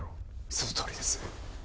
そのとおりです